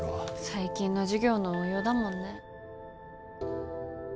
最近の授業の応用だもんね。